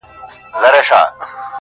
نبيان له کبيره ګناهونو څخه پاک دي.